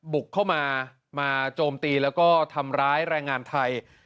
บุกเข้ามามาโจมตีแล้วก็ทำร้ายแรงงานไทย